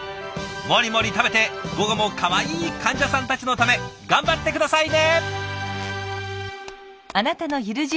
モリモリ食べて午後もかわいい患者さんたちのため頑張って下さいね！